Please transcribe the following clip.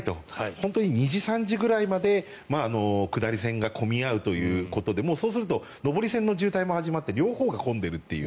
本当に２時、３時ぐらいまで下り線が混み合うということでもう、そうすると上り線の渋滞も始まって両方が混んでいるという。